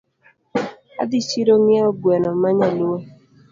Adhi chiro ng'iewo gweno manyaluo